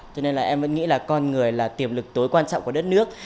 cho nên là em vẫn nghĩ là con người là tiềm lực tối quan trọng của đất nước